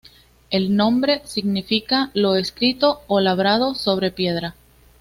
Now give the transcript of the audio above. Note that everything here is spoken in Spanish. El nombre significa lo escrito ó labrado sobre piedra.